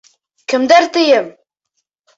Кемдәр, тием!